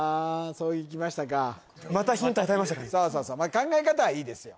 そうそうそう考え方はいいですよ